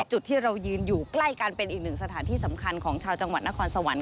จุดที่เรายืนอยู่ใกล้กันเป็นอีกหนึ่งสถานที่สำคัญของชาวจังหวัดนครสวรรค